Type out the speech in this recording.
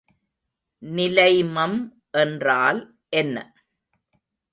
நிலைமம் என்றால் என்ன?